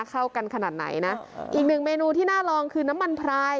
เข้ากันขนาดไหนนะอีกหนึ่งเมนูที่น่าลองคือน้ำมันพราย